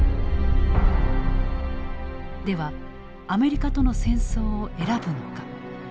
ではアメリカとの戦争を選ぶのか。